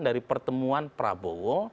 dari pertemuan prabowo